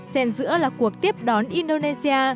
xen giữa là cuộc tiếp đón indonesia